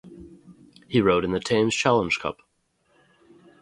He rowed in the Thames Challenge Cup.